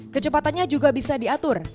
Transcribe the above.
kecepatannya juga bisa diatur